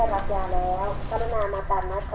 สวัสดีครับ